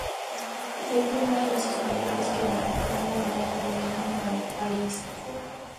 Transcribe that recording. Fue el primero de los españoles que edificó una bodega de vino en Valparaíso.